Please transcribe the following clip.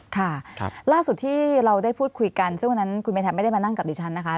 ค่ะล่าสุดที่เราได้พูดคุยกันซึ่งวันนั้นคุณเมธาไม่ได้มานั่งกับดิฉันนะคะ